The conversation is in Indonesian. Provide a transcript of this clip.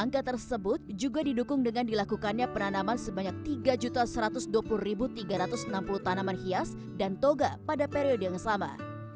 dan tersebut juga didukung dengan dilakukannya penanaman sebanyak tiga satu ratus dua puluh tiga ratus enam puluh tanaman hias dan toga pada periode yang sama